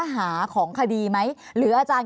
ภารกิจสรรค์ภารกิจสรรค์